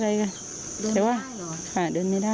เดินได้เหรอค่ะเดินไม่ได้